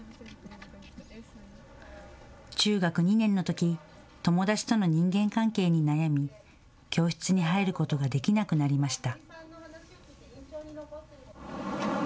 中学２年のとき友達との人間関係に悩み教室に入ることができなくなりました。